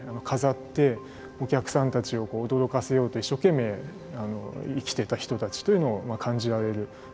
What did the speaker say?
飾ってお客さんたちを驚かせようと一生懸命生きてた人たちというのを感じられる。